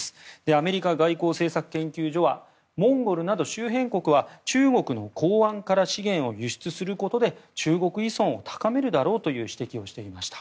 アメリカ外交政策研究所はモンゴルなど周辺国は中国の港湾から資源を輸出することで中国依存を高めるだろうという指摘をしていました。